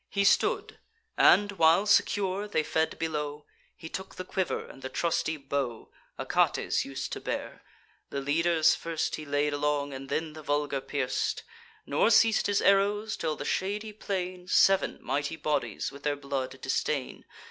He stood; and, while secure they fed below, He took the quiver and the trusty bow Achates us'd to bear: the leaders first He laid along, and then the vulgar pierc'd; Nor ceas'd his arrows, till the shady plain Sev'n mighty bodies with their blood distain.